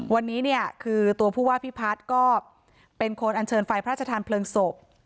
วันนี้ตัวผู้ว่าพี่พัดก็เป็นคนอาจเชิญไฟพระทรศาลเพลิงศพ